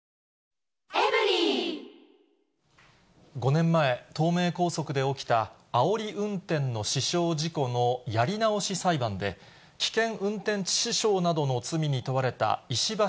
５年前、東名高速で起きたあおり運転の死傷事故のやり直し裁判で、危険運転致死傷などの罪に問われた石橋